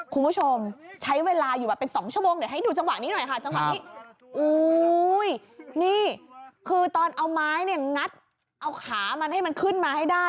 คุณผู้ชมใช้เวลาอยู่ประมาณ๒ชั่วโมง